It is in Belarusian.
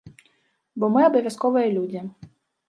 Бо мы абавязковыя людзі.